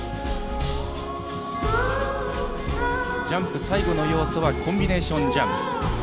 ジャンプ最後の要素はコンビネーションジャンプ。